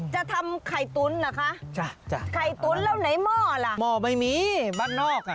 จะทำไข่ตุ๋นเหรอคะจ้ะไข่ตุ๋นแล้วไหนหม้อล่ะหม้อไม่มีบ้านนอกอ่ะ